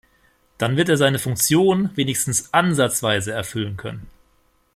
Dann wird er seine Funktion wenigstens ansatzweise erfüllen können.